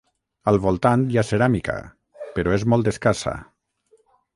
Al voltant hi ha ceràmica, però és molt escassa.